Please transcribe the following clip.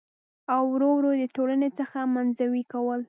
او ور ور يې د ټـولنـې څـخـه منـزوي کـول .